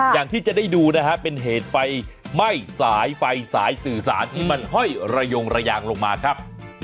อย่างที่จะได้ดูนะฮะเป็นเหตุไฟไหม้สายไฟสายสื่อสารที่มันห้อยระยงระยางลงมาครับ